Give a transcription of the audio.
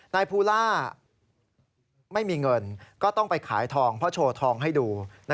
ภูล่าไม่มีเงินก็ต้องไปขายทองเพราะโชว์ทองให้ดู